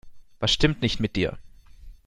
Was stimmt nicht mit dir?